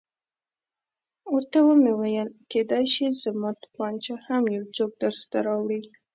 ورته ومې ویل کېدای شي زما تومانچه هم یو څوک درته راوړي.